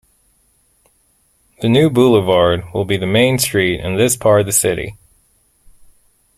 The new boulevard will be the main street in this part of the city.